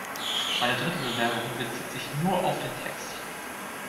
Meine dritte Bemerkung bezieht sich nur auf den Text.